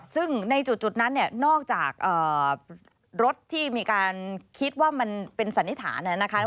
ซึ่งในจุดนั้นเนี่ยนอกจากรถที่มีการคิดว่ามันเป็นสันนิษฐานนะคะ